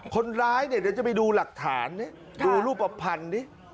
คนร้ายจะไปดูหลักฐานดูรูปภัณฑ์นี่